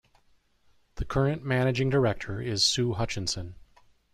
The current Managing Director is Su Hutchinson.